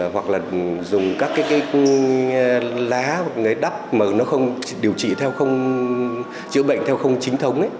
hoặc là dùng các cái lá hoặc đắp mà nó không điều trị theo không chữa bệnh theo không chính thống ấy